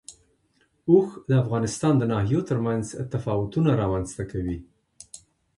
اوښ د افغانستان د ناحیو ترمنځ تفاوتونه رامنځ ته کوي.